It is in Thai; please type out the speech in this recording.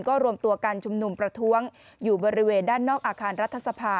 ก็รวมตัวการชุมนุมประท้วงอยู่บริเวณด้านนอกอาคารรัฐสภา